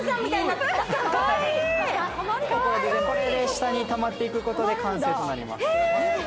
下に溜まっていくことで完成となります。